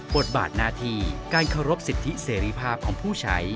บทบาทหน้าที่การเคารพสิทธิเสรีภาพของผู้ใช้